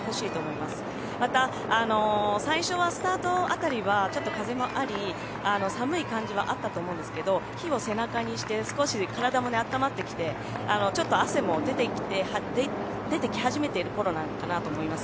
また、最初はスタート辺りはちょっと風もあり寒い感じはあったと思うんですけど日を背中にして少し体もあったまってきてちょっと汗も出てき始めている頃なのかなと思います。